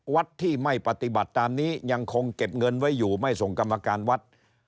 วัดที่ไม่ปฏิบัติตามนี้ยังคงเก็บเงินไว้อยู่ไม่ส่งกรรมการวัด